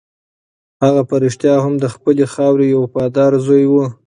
هغه په رښتیا هم د خپلې خاورې یو وفادار زوی و.